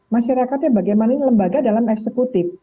masyarakatnya bagaimana ini lembaga dalam eksekutif